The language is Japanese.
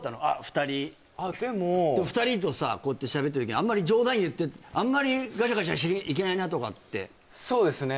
２人あっでも２人とさこうやって喋ってるけどあんまり冗談言ってあんまりガチャガチャしちゃいけないなとかってそうですね